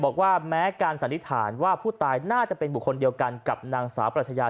บอกว่าแม้การสันนิษฐานว่าผู้ตายน่าจะเป็นบุคคลเดียวกันกับนางสาวปรัชญา